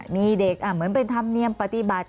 มีเด็กเหมือนเป็นธรรมเนียมปฏิบัติ